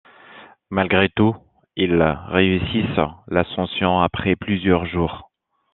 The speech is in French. Malgré tout, ils réussissent l'ascension après plusieurs jours.